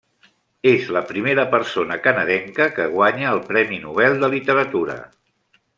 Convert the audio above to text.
És la primera persona canadenca que guanya el Premi Nobel de Literatura.